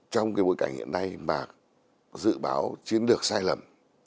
trong bối cảnh hiện nay mà dự báo chiến lược sai lầm